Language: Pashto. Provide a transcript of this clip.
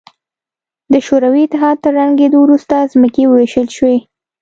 د شوروي اتحاد تر ړنګېدو وروسته ځمکې ووېشل شوې.